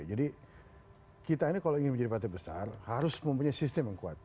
jadi kita ini kalau ingin menjadi partai besar harus mempunyai sistem yang kuat